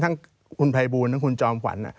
ทั้งคุณภัยบูลทั้งคุณจอมขวัญ